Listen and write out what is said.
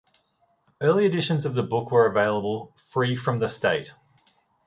Early editions of the book were available free from the State.